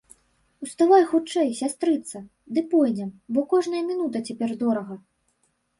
Уставай хутчэй, сястрыца, ды пойдзем, бо кожная мінута цяпер дорага!